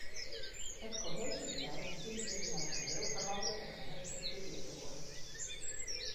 Het cohesiebeleid dient in zijn geheel veranderd en geherstructureerd te worden.